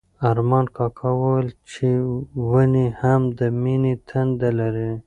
ارمان کاکا وویل چې ونې هم د مینې تنده لري.